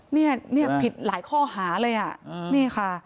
นี่ผิดหลายข้อหาเลย